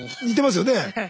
似てますよね。